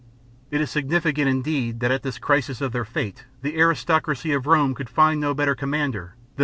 It is significant, indeed, that at this crisis of their fate the aristocracy of Rome could find no better com mander than M.